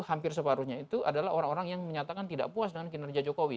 hampir separuhnya itu adalah orang orang yang menyatakan tidak puas dengan kinerja jokowi